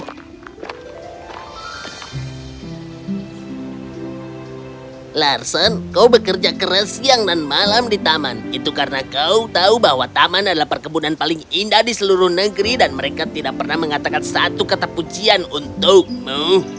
larsen kau bekerja keras siang dan malam di taman itu karena kau tahu bahwa taman adalah perkebunan paling indah di seluruh negeri dan mereka tidak pernah mengatakan satu kata pujian untukmu